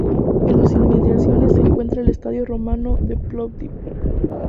En sus inmediaciones se encuentra el Estadio romano de Plovdiv.